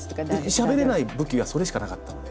しゃべれない武器がそれしかなかったので。